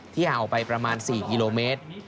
ห่างออกไปประมาณ๔กิโลเมตร